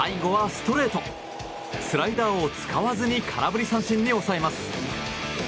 スライダーを使わずに空振り三振に抑えます。